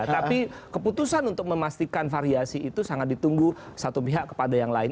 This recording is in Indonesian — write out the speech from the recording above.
tapi keputusan untuk memastikan variasi itu sangat ditunggu satu pihak kepada yang lain